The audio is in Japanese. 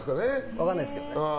分かんないですけど。